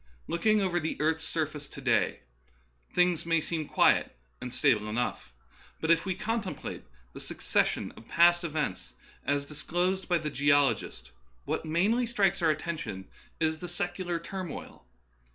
Looking over the earth's surface to day, things may seem quiet and stable enough. But if we contemplate the succession of past events, as dis closed by the geologist, what mainly strikes our attention is the secular turmoil.